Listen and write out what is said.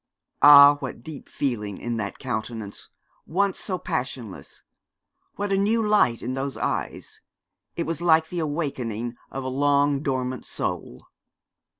Ah, what deep feeling in that countenance, once so passionless; what a new light in those eyes. It was like the awakening of a long dormant soul.